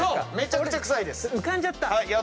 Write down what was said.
俺浮かんじゃった。